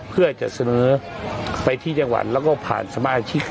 เพื่อจะเสนอไปที่จังหวัดแล้วก็พาสม่ายที่